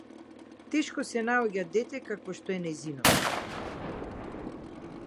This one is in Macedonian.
Тешко се наоѓа дете какво што е нејзиното.